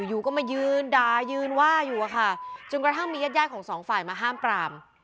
อยู่ก็มายืนด่ายืนว่าอยู่อะค่ะจนกระทั่งมีญาติญาติของสองฝ่ายมาห้ามปราม